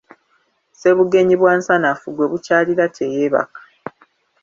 Ssebugenyi bwa nsanafu, gwe bukyalira teyeebaka.